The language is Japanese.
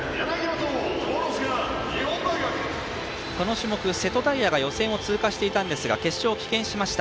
この種目、瀬戸大也が予選を通過していたんですが決勝を棄権しました。